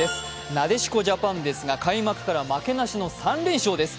なでしこジャパンですが開幕から負けなしの３連勝です。